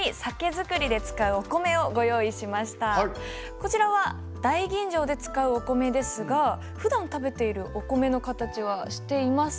こちらは大吟醸で使うお米ですがふだん食べているお米の形はしていませんよね？